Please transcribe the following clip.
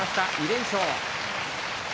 ２連勝。